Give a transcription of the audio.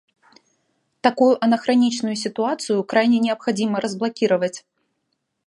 Такую анахроничную ситуацию крайне необходимо разблокировать.